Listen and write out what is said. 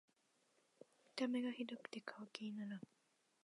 見た目がひどくて買う気にならん